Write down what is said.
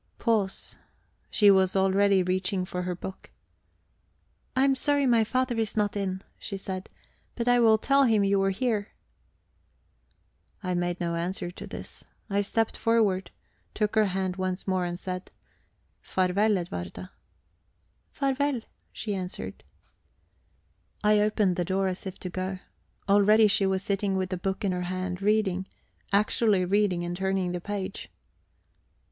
Pause. She was already reaching for her book. "I am sorry my father is not in," she said. "But I will tell him you were here." I made no answer to this. I stepped forward, took her hand once more, and said: "Farvel, Edwarda." "Farvel," she answered. I opened the door as if to go. Already she was sitting with the book in her hand, reading actually reading and turning the page.